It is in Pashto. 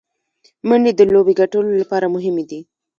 منډې د لوبي ګټلو له پاره مهمي دي.